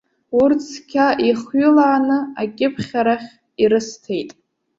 Урҭ цқьа ихҩылааны акьыԥхьрахь ирысҭеит.